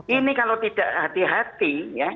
ini kalau tidak hati hati ya